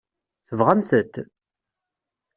Tebɣamt-t?